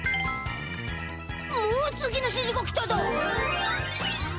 もう次のしじが来ただ。